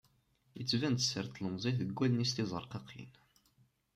Yettban-d sser n tlemẓit deg wallen-is tizerqaqin.